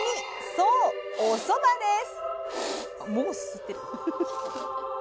そうおそばです！